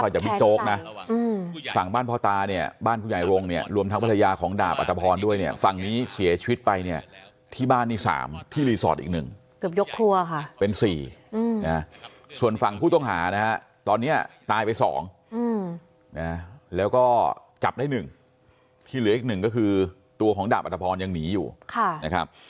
จับได้หนึ่งทีเหลืออีกหนึ่งก็คือตัวของดาบอธพรยังหนีอยู่นะครับ